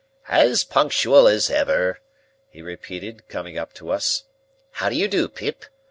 "As punctual as ever," he repeated, coming up to us. "(How do you do, Pip?